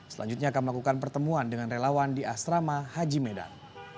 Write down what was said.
selanjutnya akan melakukan pertemuan dengan relawan di asrama haji medan